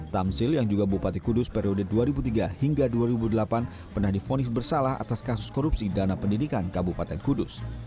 tamzil yang juga bupati kudus periode dua ribu tiga hingga dua ribu delapan pernah difonis bersalah atas kasus korupsi dana pendidikan kabupaten kudus